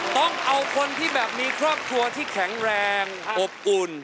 ต้องเอาคนที่แบบมีครอบครัวที่แข็งแรงอบอุ่น